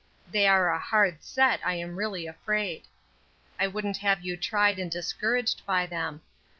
They are a hard set, I am really afraid. I wouldn't have you tried and discouraged by them.